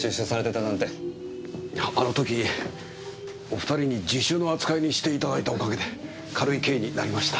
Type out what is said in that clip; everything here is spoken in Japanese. いやあの時お２人に自首の扱いにしていただいたおかげで軽い刑になりました。